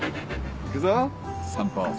行くぞ散歩。